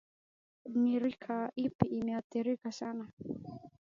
ni rika ipi imeathirika sana